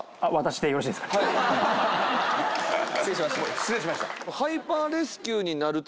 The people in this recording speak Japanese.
失礼しました。